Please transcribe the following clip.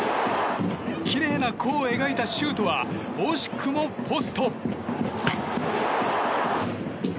きれいな弧を描いたシュートは惜しくもポスト。